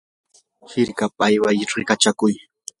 hirkapa ayway rikachakuq.